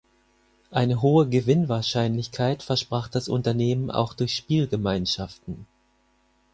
Eine hohe Gewinnwahrscheinlichkeit versprach das Unternehmen auch durch Spielgemeinschaften.